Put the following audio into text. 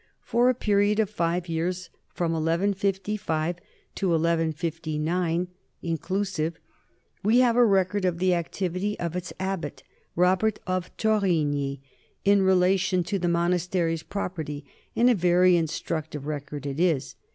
For a pe riod of five years, from 1155 to 1159 inclusive, we have a record of the activity of its abbot, Robert of Torigni, in relation to the monastery's property, and a very in structive record it is.